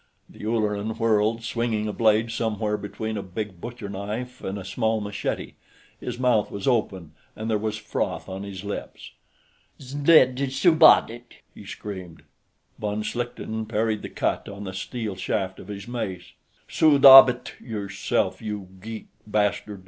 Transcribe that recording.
The Ulleran whirled, swinging a blade somewhere between a big butcherknife and a small machete. His mouth was open, and there was froth on his lips. "Znidd suddabit!" he screamed. Von Schlichten parried the cut on the steel shaft of his mace. "Suddabit yourself, you geek bastard!"